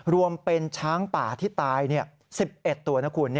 รวมเป็นช้างป่าที่ตาย๑๑ตัวนะคุณ